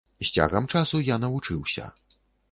З цягам часу я навучыўся.